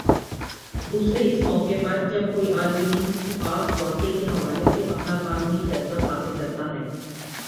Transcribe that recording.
دوسرے اس موقع پر جب کوئی عالمِ دین کسی خاص واقعے کے حوالے سے اپنا قانونی فیصلہ صادر کرتا ہے